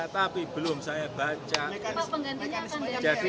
tapi belum saya baca